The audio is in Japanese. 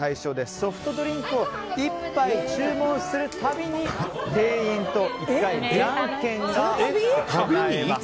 ソフトドリンクを１杯注文するたびに店員と１回ジャンケンが行えます。